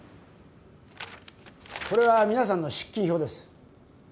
これは皆さんの出勤表です